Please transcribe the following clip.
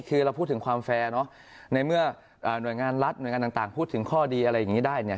คือเราพูดถึงความแฟร์เนาะในเมื่อหน่วยงานรัฐหน่วยงานต่างพูดถึงข้อดีอะไรอย่างนี้ได้เนี่ย